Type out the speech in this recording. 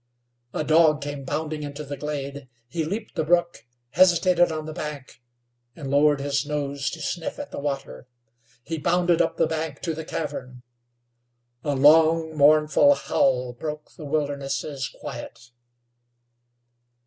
A dog came bounding into the glade. He leaped the brook, hesitated on the bank, and lowered his nose to sniff at the water. He bounded up the bank to the cavern. A long, mournful howl broke the wilderness's quiet.